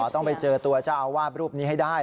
ต้องไปเจอตัวเจ้าอาวาสรูปนี้ให้ได้